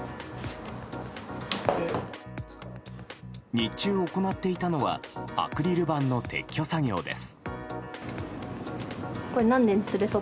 日中行っていたのはアクリル板の撤去作業です。